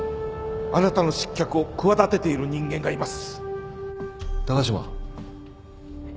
あなたの失脚を企てている人間がいます高島。